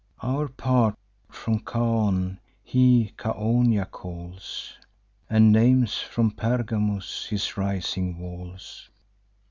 Our part, from Chaon, he Chaonia calls, And names from Pergamus his rising walls.